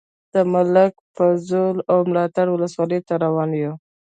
د ملک په زور او ملاتړ ولسوالۍ ته روان یو.